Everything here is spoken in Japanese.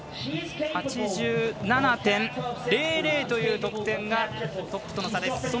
８７．００という得点がトップとの差です。